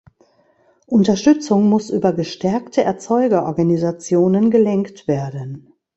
Unterstützung muss über gestärkte Erzeugerorganisationen gelenkt werden.